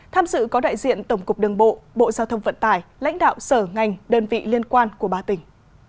tham dự có đại diện tổng cục đường bộ bộ giao thông vận tải lãnh đạo sở ngành đơn vị liên quan của ba tỉnh